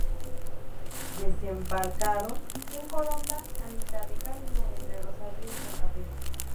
Desembarcaron en Coronda, a mitad de camino entre Rosario y Santa Fe.